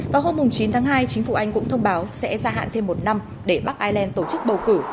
vào hôm chín tháng hai chính phủ anh cũng thông báo sẽ gia hạn thêm một năm để bắc ireland tổ chức bầu cử